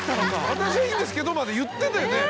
「私はいいんですけど」まで言ってたよね？